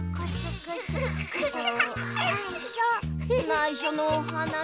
ないしょのおはなし。